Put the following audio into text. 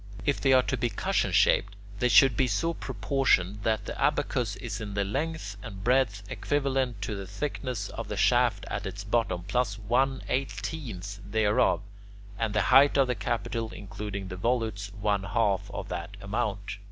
If they are to be cushion shaped, they should be so proportioned that the abacus is in length and breadth equivalent to the thickness of the shaft at its bottom plus one eighteenth thereof, and the height of the capital, including the volutes, one half of that amount.